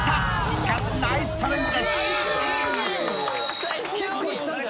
しかしナイスチャレンジです